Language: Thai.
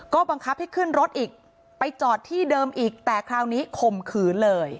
ก็บังคับให้ขึ้นรถอีกไปจอดที่เดิมอีกแต่คราวนี้ข่มขืนเลย